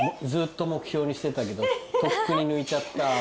ずっと目標にしてたけどとっくに抜いちゃった。